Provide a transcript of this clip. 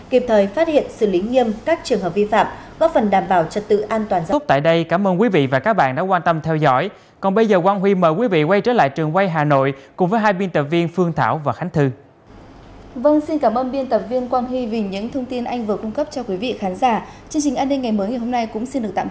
kịp thời phát hiện xử lý nghiêm các trường hợp vi phạm góp phần đảm bảo trật tự an toàn